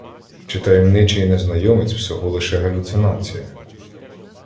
Чи таємничий незнайомець всього лише галюцинація?